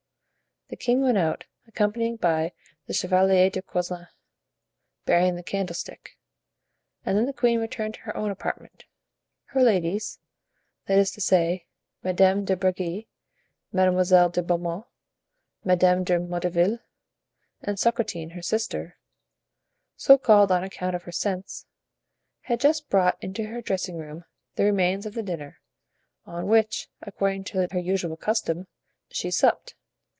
The king went out, accompanied by the Chevalier de Coislin, bearing the candlestick, and then the queen returned to her own apartment. Her ladies—that is to say Madame de Bregy, Mademoiselle de Beaumont, Madame de Motteville, and Socratine, her sister, so called on account of her sense—had just brought into her dressing room the remains of the dinner, on which, according to her usual custom, she supped.